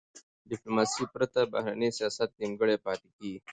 د ډیپلوماسی پرته، بهرنی سیاست نیمګړی پاته کېږي.